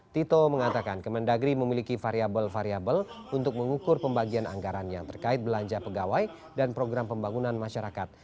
tito mengatakan kemendagri memiliki variable variable untuk mengukur pembagian anggaran yang terkait belanja pegawai dan program pembangunan masyarakat